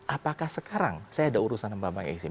apakah sekarang saya ada urusan sama bank eksim